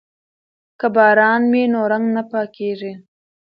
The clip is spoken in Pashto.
که باران وي نو رنګ نه پاکیږي.